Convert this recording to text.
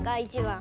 １番。